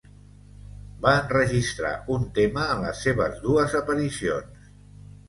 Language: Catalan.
Va enregistrar un tema en les seves dues aparicions.